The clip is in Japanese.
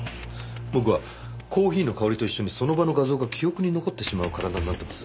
僕はコーヒーの香りと一緒にその場の画像が記憶に残ってしまう体になってます。